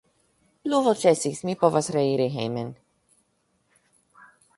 Pluvo ĉesis, mi povas reiri hejmen.